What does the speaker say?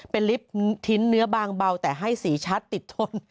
เป็นลิฟต์ทิ้นเนื้อบางเบาแต่ให้สีชัดติดทน